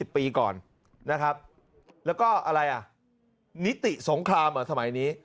๒๐ปีก่อนแล้วก็อะไรนิติสงครามสมัยนี้